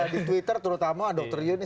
di twitter terutama dokter yuni